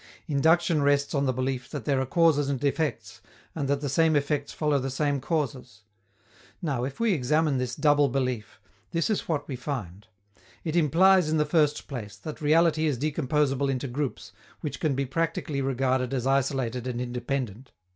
Induction rests on the belief that there are causes and effects, and that the same effects follow the same causes. Now, if we examine this double belief, this is what we find. It implies, in the first place, that reality is decomposable into groups, which can be practically regarded as isolated and independent.